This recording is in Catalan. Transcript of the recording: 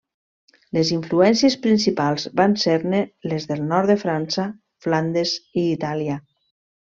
Les influències principals van ser-ne les del nord de França, Flandes i Itàlia.